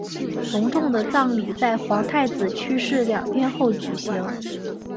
隆重的葬礼在皇太子去世两天后举行。